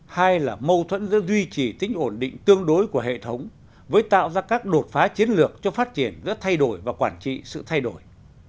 hai là mâu thuẫn giữa duy trì tính ổn định tương đối của hệ thống với tạo ra các đột phá chiến lược cho phát triển giữa thay đổi và quản trị sự thay đổi